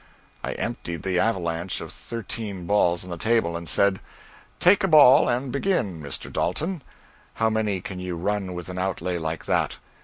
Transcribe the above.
I emptied the avalanche of thirteen balls on the table and said: "Take a ball and begin, Mr. Dalton. How many can you run with an outlay like that?"